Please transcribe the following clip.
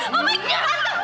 eh itu pelajarannya